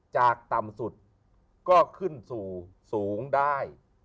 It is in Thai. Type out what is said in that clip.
ต่ำสุดก็ขึ้นสู่สูงได้